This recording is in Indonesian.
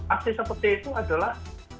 aksi seperti itu adalah